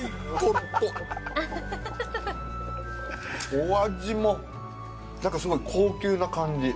お味もなんかすごい高級な感じ。